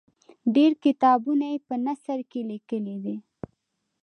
ډېر کتابونه یې په نثر کې لیکلي دي.